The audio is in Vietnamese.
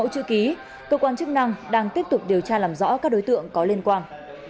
cơ quan chức năng đang tiếp tục điều tra làm rõ các đối tượng có liên quan